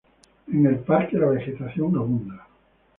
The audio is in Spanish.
En el parque la vegetación abunda.